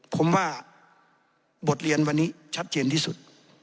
ผมว่าบทเรียนวันนี้ชัดเจนที่สุด